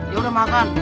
ya udah makan